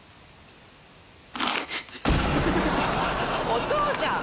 お父さん！